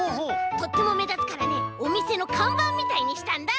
とってもめだつからねおみせのかんばんみたいにしたんだ！